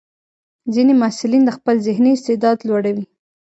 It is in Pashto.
ځینې محصلین د خپل ذهني استعداد لوړوي.